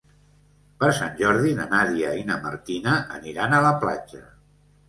Per Sant Jordi na Nàdia i na Martina aniran a la platja.